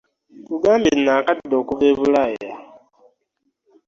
Nkugambye nnaakadda okuva e Bulaaya.